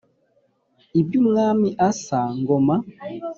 Iby’Umwami Asa ( Ngoma --)